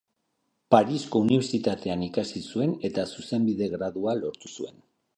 Parisko Unibertsitatean ikasi zuen eta zuzenbide gradua lortu zuen.